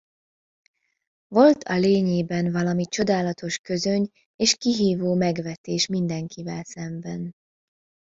Volt a lényében valami csodálatos közöny és kihívó megvetés mindenkivel szemben.